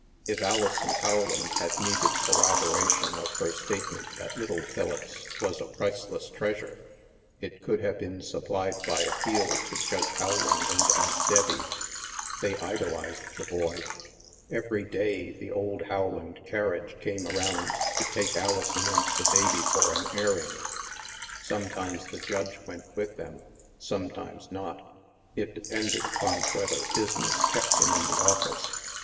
THE MAELSTROM 231 If Alison Howland had needed corroboration of her statement that little Philippse was a priceless treasure, it could have been supplied by appeal to Judge Howland and Aunt Debbie. They idolized the boy. Every day, the old Howland carriage came around to take Alison and the baby for an airing. Sometimes the Judge went with them, sometimes not; it depended upon whether business kept him in the office.